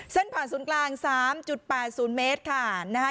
ผ่านศูนย์กลาง๓๘๐เมตรค่ะนะคะ